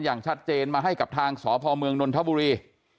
อย่างชัดเจนมาให้กับทางสพเมืองนนทบุรี